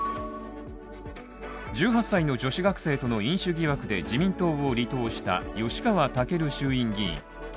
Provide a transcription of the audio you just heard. １８歳の女子学生との飲酒疑惑で自民党を離党した吉川赳衆院議員。